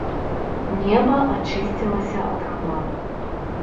Неба ачысцілася ад хмар.